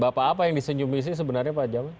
dan bapak apa yang disenyum ini sih sebenarnya pak jamal